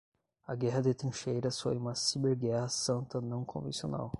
A guerra de trincheiras foi uma ciberguerra santa não convencional